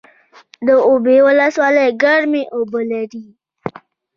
د اوبې ولسوالۍ ګرمې اوبه لري